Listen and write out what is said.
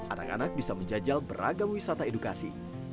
anak anak bisa menjajal beragam wisata edukasi